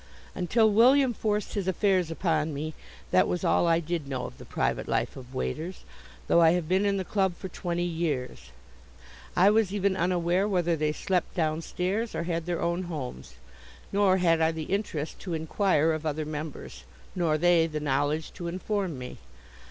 Until William forced his affairs upon me, that was all I did know of the private life of waiters, though I have been in the club for twenty years. I was even unaware whether they slept down stairs or had their own homes, nor had I the interest to inquire of other members, nor they the knowledge to inform me.